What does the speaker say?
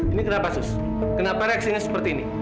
ini kenapa sus kenapa reaksinya seperti ini